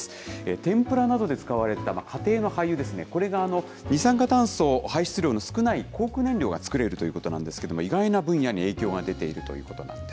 天ぷらなどで使われた、家庭の廃油ですね、これが二酸化炭素排出量の少ない航空燃料が作れるということなんですけども、意外な分野に影響が出ているということなんです。